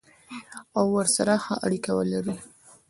او ورسره ښه اړیکه ولري.